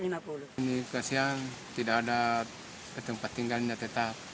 ini kasihan tidak ada tempat tinggalnya tetap